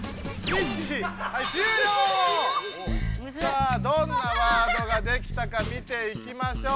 さあどんなワードができたか見ていきましょう。